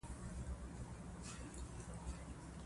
ازادي راډیو د اټومي انرژي حالت ته رسېدلي پام کړی.